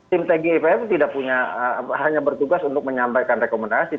tim tgipf tidak punya hanya bertugas untuk menyampaikan rekomendasi